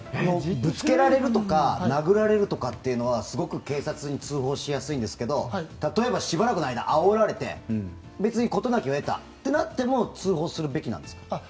ぶつけられるとか殴られるというのはすごく警察に通報しやすいんですけど例えば、しばらくの間あおられて別に事なきを得たとなっても通報するべきなんですか？